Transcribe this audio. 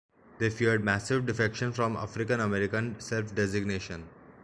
They feared massive defection from the African American self-designation.